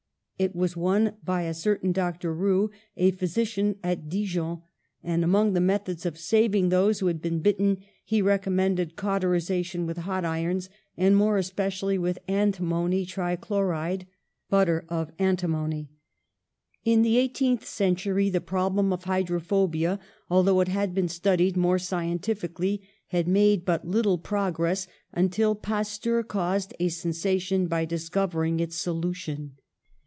It was won by a certain Dr. Roux, a phj^sician at Dijon, and, among the methods of saving those who had been bitten, he recommended cauterisation with hot irons, and more espe cially with antimony tri chloride (^'butter of antimony"). In the eighteenth century the problem of hy drophobia, although it had been studied more scientifically, had made but little progress, until Pasteur caused a sensation by discovering its solution.